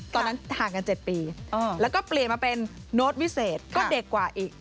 ตอนนั้นห่างกัน๗ปีแล้วก็เปลี่ยนมาเป็นโน้ตวิเศษก็เด็กกว่าอีก